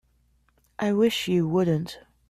I wish you wouldn't.